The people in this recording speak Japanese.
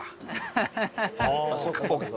ハハハハ。